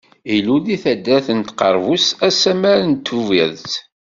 Ilul deg taddart n Tqerbust asamar n Tubiret.